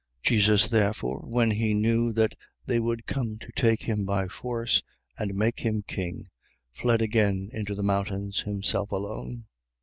6:15. Jesus therefore, when he knew that they would come to take him by force and make him king, fled again into the mountains, himself alone.